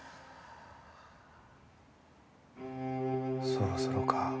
そろそろか。